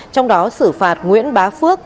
trong đó xử phạt nguyễn bá phước